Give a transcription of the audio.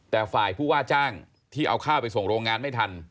แต่ฝ่ายผู้ว่าจ้างที่เอาข้าวไปส่งโรงงานไม่ทัน